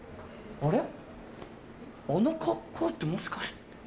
あの格好ってもしかして。